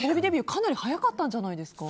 かなり早かったんじゃないですか？